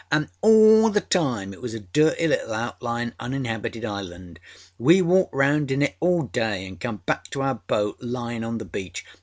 Anâ all the time it was a dirty little out lyinâ uninhabited island. We walked round it in a day, anâ come back to our boat lyinâ on the beach.